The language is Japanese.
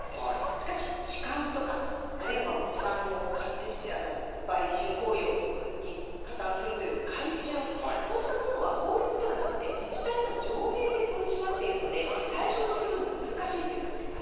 しかし、痴漢とか、あるいはお子さんを、売春行為に加担するという買春、こうしたものは法律ではなくて自治体の条例で取り締まっているので、対象とするのは難しいと言われています。